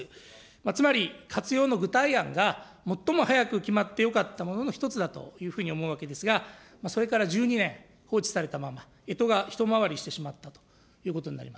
つまり活用の具体案が最も早く決まってよかったものの一つだというふうに思うわけでありますが、それから１２年、放置されたまま、えとが一回りしてしまったということになります。